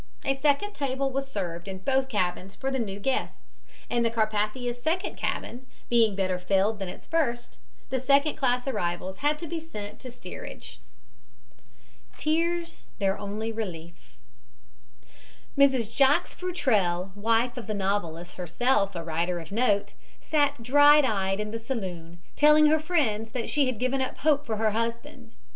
A second table was served in both cabins for the new guests, and the Carpathia's second cabin, being better filled than its first, the second class arrivals had to be sent to the steerage. TEARS THEIR ONLY RELIEF Mrs. Jacques Futrelle, wife of the novelist, herself a writer of note, sat dry eyed in the saloon, telling her friends that she had given up hope for her husband.